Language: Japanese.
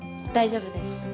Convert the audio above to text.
大丈夫です。